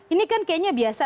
ini kan kayaknya biasa